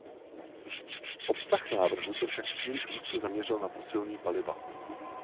Obsah návrhu se však příliš úzce zaměřil na fosilní paliva.